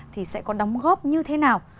thì sẽ có đóng góp như thế nào